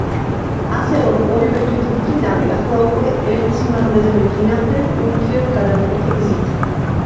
ასე რომ ორივე თვითმფრინავი ახლა უკვე ერთ სიმაღლეზე მიფრინავდნენ ურთიერთ გადამკვეთი გზით.